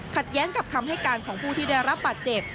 แย้งกับคำให้การของผู้ที่ได้รับบาดเจ็บ